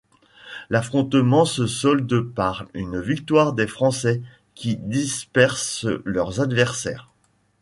L'affrontement se solde par une victoire des Français qui dispersent leurs adversaires.